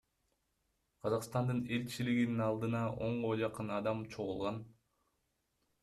Казакстандын элчилигинин алдына онго жакын адам чогулган.